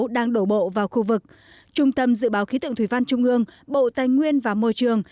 đang đổ bộ vào khu vực trung tâm dự báo khí tượng thủy văn trung ương bộ tài nguyên và môi trường